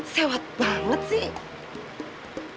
sewet banget sih